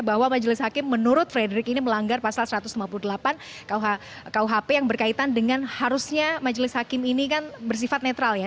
bahwa majelis hakim menurut frederick ini melanggar pasal satu ratus lima puluh delapan kuhp yang berkaitan dengan harusnya majelis hakim ini kan bersifat netral ya